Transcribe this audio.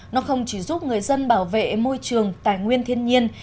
nó không chỉ giúp người dân bảo vệ môi trường tài nguyên thiên nhiên